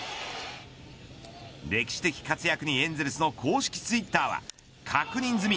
歴史的活躍にエンゼルスの公式ツイッターは確認済み。